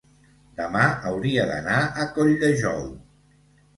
demà hauria d'anar a Colldejou.